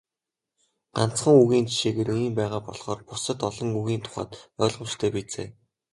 Ганцхан үгийн жишээгээр ийм байгаа болохоор бусад олон үгийн тухайд ойлгомжтой биз ээ.